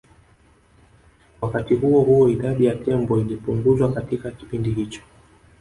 Wakati huo huo idadi ya tembo ilipunguzwa katika kipindi hicho